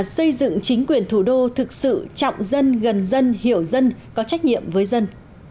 xây dựng chính quyền thủ đô thực sự trọng dân gần dân hiểu dân có trách nhiệm với dân